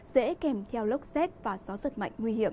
dễ kèm theo lốc xét và gió giật mạnh nguy hiểm